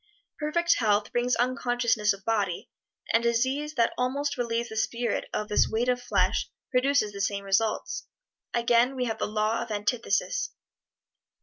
Perfect health brings unconsciousness of body, and disease that almost relieves the spirit of this weight of flesh produces the same results. Again we have the Law of Antithesis.